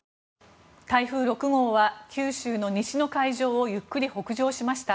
台風６号は九州の西の海上をゆっくり北上しました。